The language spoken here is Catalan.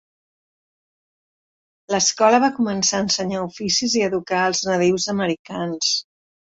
L'escola va començar a ensenyar oficis i educar els nadius americans.